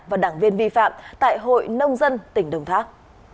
và đảng viên vi phạm tại hội nông dân tỉnh đồng tháp